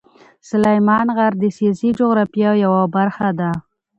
سلیمان غر د سیاسي جغرافیه یوه برخه ده.